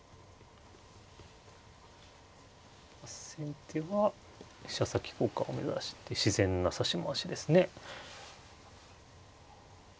先手は飛車先交換を目指して自然な指し回しですね。